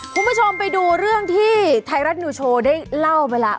คุณผู้ชมไปดูเรื่องที่ไทยรัฐนิวโชว์ได้เล่าไปแล้ว